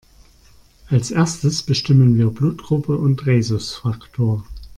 Als Erstes bestimmen wir Blutgruppe und Rhesusfaktor.